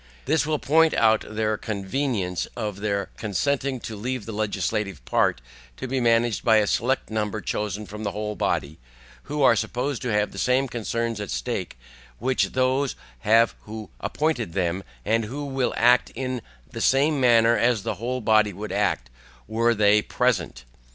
This will point out the convenience of their consenting to leave the legislative part to be managed by a select number chosen from the whole body, who are supposed to have the same concerns at stake which those have who appointed them, and who will act in the same manner as the whole body would act were they present.